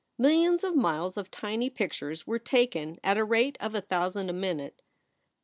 Millions of miles of tiny pic tures were taken at a rate of a thousand a minute.